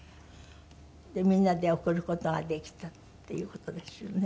でみんなで送る事ができたっていう事ですよね。